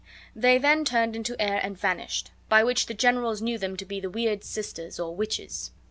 They then turned into air and vanished; by which the generals knew them to be the weird sisters, or witches.